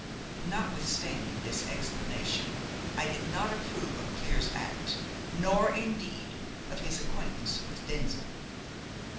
Notwithstanding this explanation, I did not approve of Clear's act, nor, indeed, of his acquaintance with Denzil.